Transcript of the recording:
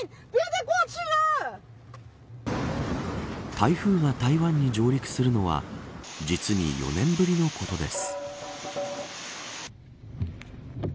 台風が台湾に上陸するのは実に４年ぶりのことです。